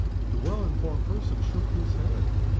The well informed person shook his head.